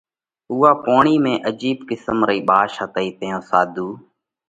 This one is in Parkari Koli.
اُوئا پوڻِي ۾ عجيب قسم رئي ٻاش ھتئي تئيون ساڌُو